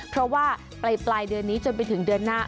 เพราะว่าปลายเดือนนี้จนไปถึงเดือนหน้า